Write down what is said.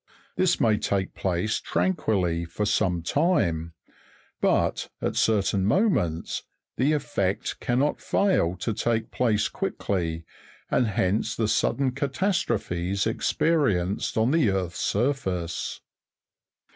This may take place tranquilly, for some time ; but, at certain moments, the effect cannot fail to take place quickly, and hence the sudden catastrophes experienced on the earth's sur face.